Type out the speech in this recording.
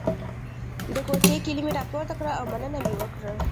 د کوټې کیلي مې راپورته کړه او مننه مې وکړه.